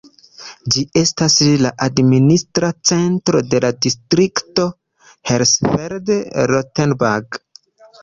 Ĝi estas la administra centro de la distrikto Hersfeld-Rotenburg.